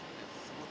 seputar itu saja